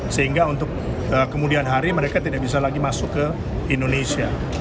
sehingga untuk kemudian hari mereka tidak bisa lagi masuk ke indonesia